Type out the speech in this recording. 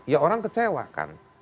ya orang kecewa kan